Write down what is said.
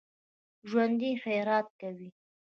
ژوندي خیرات کوي